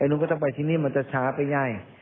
ไอ้นู้นก็จะไปที่นี่มันจะช้าไปไง